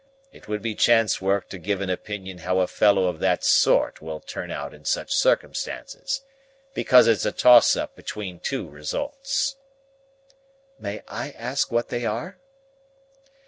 It would be chance work to give an opinion how a fellow of that sort will turn out in such circumstances, because it's a toss up between two results." "May I ask what they are?"